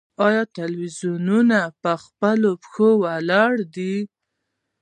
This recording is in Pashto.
آیا تلویزیونونه په خپلو پښو ولاړ دي؟